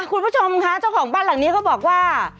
คุณผู้ชมคะเจ้าของบ้านหลังนี้เขาบอกว่า